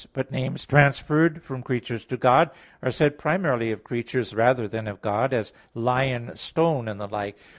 But names transferred from creatures to God, are said primarily of creatures rather than of God, as "lion," "stone," and the like.